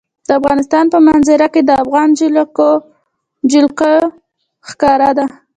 د افغانستان په منظره کې د افغانستان جلکو ښکاره ده.